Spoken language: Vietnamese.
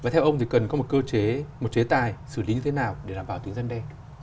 theo ông thì cần có một cơ chế một chế tài xử lý như thế nào để đảm bảo tính dân đe